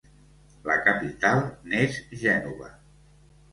La capital n'és Gènova.